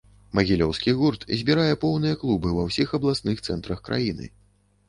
Магілёўскі гурт збірае поўныя клубы ва ўсіх абласных цэнтрах краіны.